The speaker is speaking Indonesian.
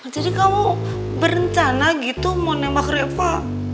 jadi kamu berencana gitu mau nembak reva